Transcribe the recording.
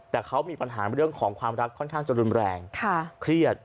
แต่เขามีปัญหาเรื่องของความรักค่อนข้างจะรุนแรงเครียด